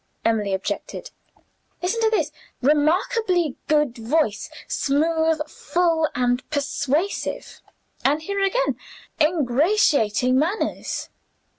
Emily objected. "Listen to this: 'Remarkably good voice, smooth, full, and persuasive.' And here again! 'Ingratiating manners.